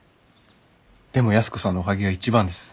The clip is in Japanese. でも安子さんのおはぎが一番です。